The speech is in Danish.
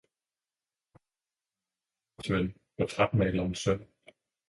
han var en barndomsven, portrætmalerens søn.